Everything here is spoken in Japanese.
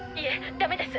ダメです！